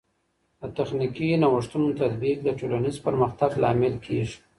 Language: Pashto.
د تخنیکي نوښتونو تطبیق د ټولنیز پرمختګ لامل کیږي.